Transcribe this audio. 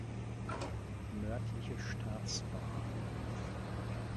Nördliche Staatsbahn.